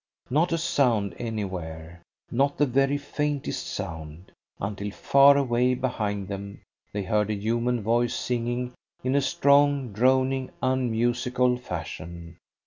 Not a sound anywhere, not the very faintest sound, until far away behind them they heard a human voice singing in a strong, droning, unmusical fashion.